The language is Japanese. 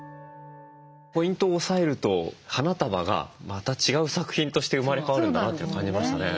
ポイントを押さえると花束がまた違う作品として生まれ変わるんだなというのを感じましたね。